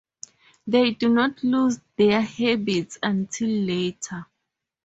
They do not lose their habits until later.